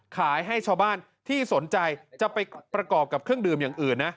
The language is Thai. ให้ชาวบ้านที่สนใจจะไปประกอบกับเครื่องดื่มอย่างอื่นนะ